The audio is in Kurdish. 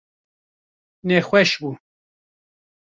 Nexweş bû.